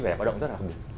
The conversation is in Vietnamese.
vẻ lao động rất là hồng